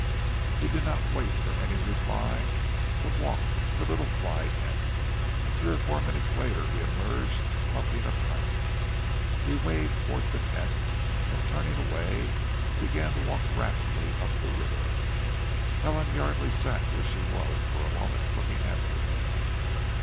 He did not wait for any reply, but walked to the little fly tent, and three or four minutes later emerged, puffing a pipe. He waved towards the tent, and turning away began to walk rapidly up river. Helen Yardely sat where she was for a moment looking after him.